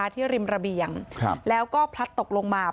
ริมระเบียงแล้วก็พลัดตกลงมา